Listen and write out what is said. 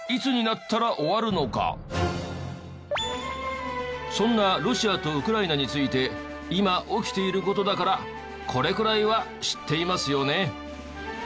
果たしてそんなロシアとウクライナについて今起きている事だからこれくらいは知っていますよね？